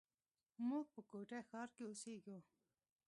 موږ په کوټه ښار کښي اوسېږي.